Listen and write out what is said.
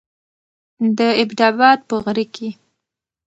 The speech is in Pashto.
د ايبټ اباد په غره کې